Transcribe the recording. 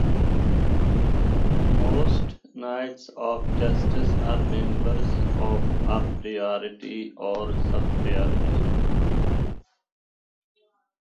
Most Knights of Justice are members of a Priory or Subpriory.